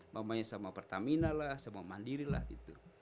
mamanya sama pertamina lah sama mandiri lah gitu